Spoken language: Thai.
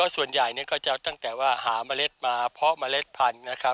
ส่วนใหญ่ก็จะตั้งแต่ว่าหาเมล็ดมาเพาะเมล็ดพันธุ์นะครับ